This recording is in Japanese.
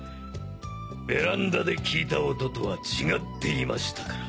ベランダで聞いた音とは違っていましたから。